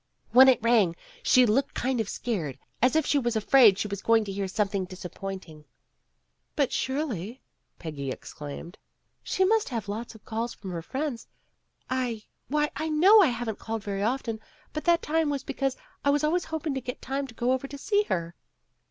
When it rang, she looked kind of scared, as if she was afraid she was going to hear something disappointing." 30 PEGGY RAYMOND'S WAY "But surely," Peggy exclaimed, "she must have lots of calls from her friends. I why, I know I haven't called very often, but that was because I was always hoping to get time to go over to see her."